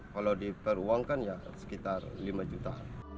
kalau diperuangkan ya sekitar lima juta